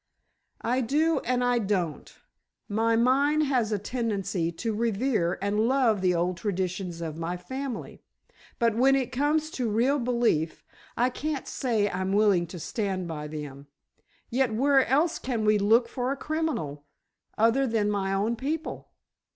"I do and I don't. My mind has a tendency to revere and love the old traditions of my family, but when it comes to real belief I can't say I am willing to stand by them. Yet where else can we look for a criminal—other than my own people?"